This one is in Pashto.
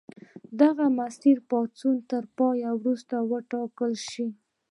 دغه مسیر د پاڅون تر پیل وروسته وټاکل شو.